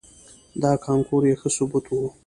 دا کانکور یې ښه ثبوت و.